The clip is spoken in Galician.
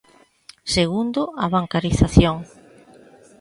Segundo, a bancarización.